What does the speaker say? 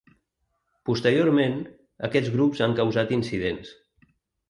Posteriorment, aquests grups han causat incidents.